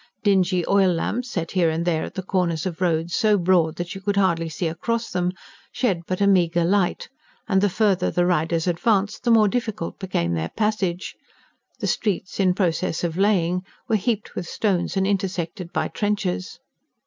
Dingy oil lamps, set here and there at the corners of roads so broad that you could hardly see across them, shed but a meagre light, and the further the riders advanced, the more difficult became their passage: the streets, in process of laying, were heaped with stones and intersected by trenches.